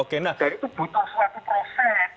dan itu butuh suatu proses